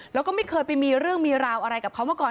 แล้วก็ไม่เคยไปมีเรื่องมีราวอะไรกับเขามาก่อน